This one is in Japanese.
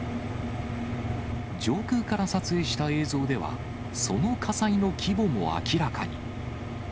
上空から撮影した映像では、その火災の規模も明らかに。